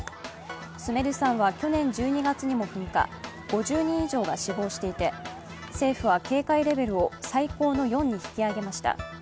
スメル山は去年１２月にも噴火、５０人以上が死亡していて政府は警戒レベルを最高の４に引き上げました。